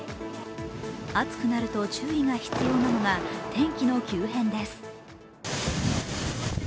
暑くなると注意が必要なのが天気の急変です。